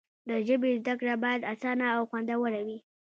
د ژبې زده کړه باید اسانه او خوندوره وي.